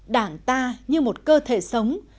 đảng ta như một cơ thể sống